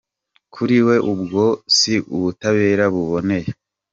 Kuri we ubwo si ubutabera buboneye.